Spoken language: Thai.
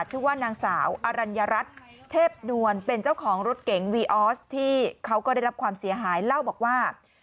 ชื่อว่านางสาวอรัญญรัฐเทพนวลเป็นเจ้าของรถเก๋งวีออสที่เขาก็ได้รับความเสียหายเล่าบอกว่า